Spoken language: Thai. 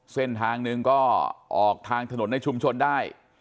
เส้นทางหนึ่งก็ออกทางถนนในชุมชนได้